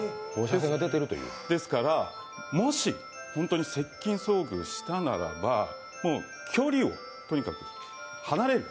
ですから、もし本当に接近遭遇したならばもう距離をとにかく離れる。